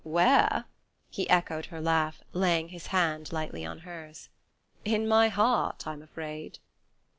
"Where?" He echoed her laugh, laying his hand lightly on hers. "In my heart, I'm afraid."